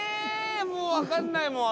もう分かんないもん